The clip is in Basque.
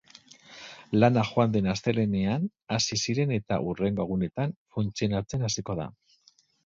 Lanak joan den astelehenean hasi ziren eta hurrengo egunetan funtzionatzen hasiko da.